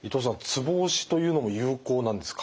ツボ押しというのも有効なんですか？